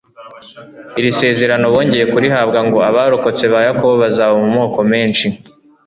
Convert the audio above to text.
iri sezerano bongcye kurihabwa ngo : "Abarokotse ba Yakobo bazaba mu moko menshi